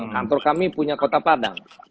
kantor kami punya kota padang